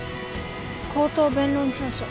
口頭弁論調書。